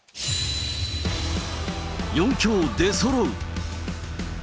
４強出そろう。